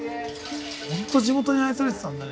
ホント地元に愛されてたんだね。